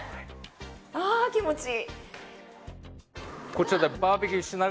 ああ、気持ちいい。